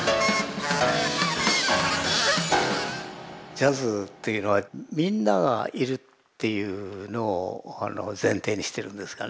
ジャズっていうのはみんながいるっていうのを前提にしてるんですがね。